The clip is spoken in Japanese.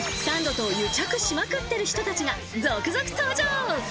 サンドと癒着しまくってる人たちが続々登場。